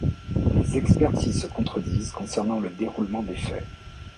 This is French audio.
Les expertises se contredisent concernant le déroulement des faits.